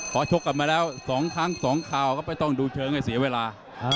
ขอชกกันมาแล้วสองครั้งสองคราวก็ไม่ต้องดูเฉิงให้เสียเวลา